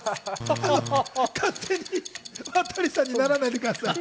勝手に渡さんにならないでください。